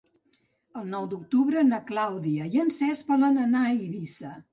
El nou d'octubre na Clàudia i en Cesc volen anar a Eivissa.